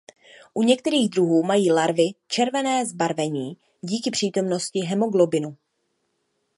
U některých druhů mají larvy červené zbarvení díky přítomnosti hemoglobinu.